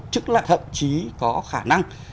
chức lại thậm chí có khả năng